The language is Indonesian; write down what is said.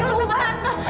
aku mau keluar